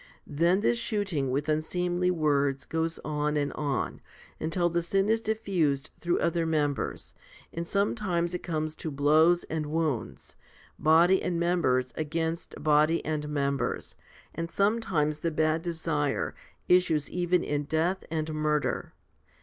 Then this shooting with unseemly words goes on and on, until the sin is diffused through other members, and sometimes it comes to blows and wounds, body and members against body and members, and sometimes the bad desire issues even in death and murder.